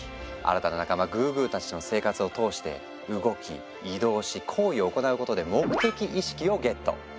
新たな仲間グーグーたちとの生活を通して動き移動し行為を行うことで「目的意識」をゲット！